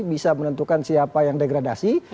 bisa menentukan siapa yang degradasi